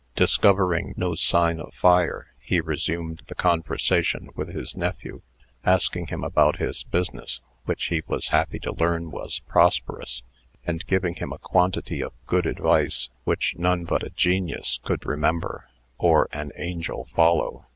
Discovering no sign of fire, he resumed the conversation with his nephew, asking him about his business (which he was happy to learn was prosperous), and giving him a quantity of good advice which none but a genius could remember, or an angel follow.